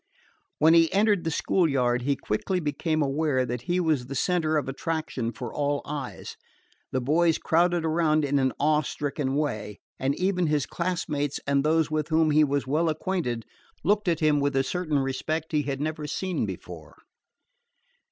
When he entered the school yard he quickly became aware that he was the center of attraction for all eyes. The boys crowded around in an awe stricken way, and even his classmates and those with whom he was well acquainted looked at him with a certain respect he had never seen before.